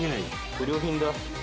不良品だ。